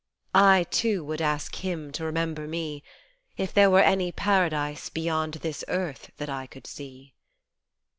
I, too, would ask Him to remember me If there were any Paradise beyond this earth that I could see.